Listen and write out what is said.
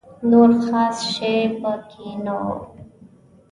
نور خاص شی په کې نه و.